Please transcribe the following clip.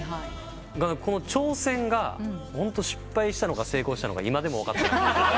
この挑戦がホント失敗したのか成功したのか今でも分かってない。